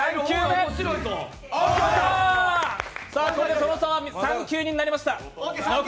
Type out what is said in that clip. その差は３球になりました。